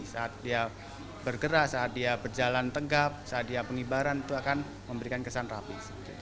saat dia bergerak saat dia berjalan tenggap saat dia pengibaran itu akan memberikan kesan rapi